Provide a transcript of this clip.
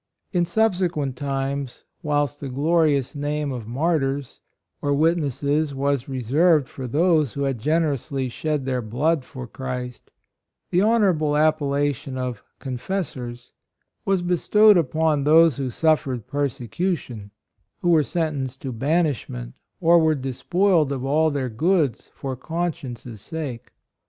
In subse quent times, whilst the glorious name of "Martyrs" or witnesses was reserved for those who had generously shed their blood for Christ, the honorable appellation of "Confessors" was bestowed upon those who suffered persecu tion — who were sentenced to ban ishment or were despoiled of all their goods for conscience's sake.